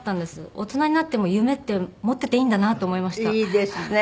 大人になっても夢って持ってていいんだなと思いました。